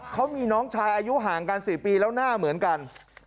เขามีน้องชายอายุห่างกัน๔ปีแล้วหน้าเหมือนกัน